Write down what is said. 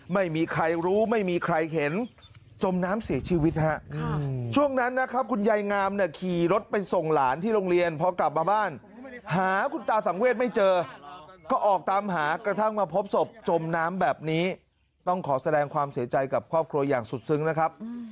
ไม่มีใครรู้ไม่มีใครเห็นจมน้ำเสียชีวิตนะ